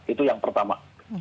itu yang pertama